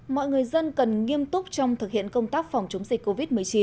mọi người dân cần nghiêm túc trong thực hiện công tác phòng chống dịch covid một mươi chín